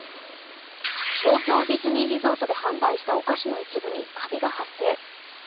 東京ディズニーリゾートで販売したお菓子の一部にかびが発生。